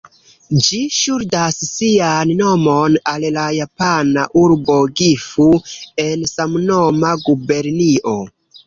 Ĝi ŝuldas sian nomon al la japana urbo Gifu, en samnoma gubernio.